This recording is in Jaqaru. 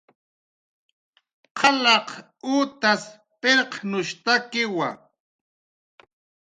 Qalaq utas pirqnushtakiwa